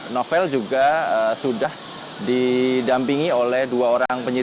novel juga sudah didampingi oleh dua orang penyidik